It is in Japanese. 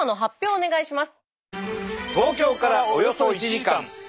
お願いします。